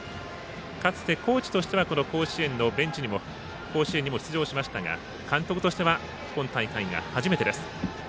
かつて、コーチとしては甲子園にも出場しましたが監督としては今大会が初めてです。